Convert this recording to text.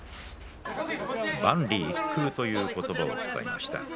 万里一空という言葉を使いました。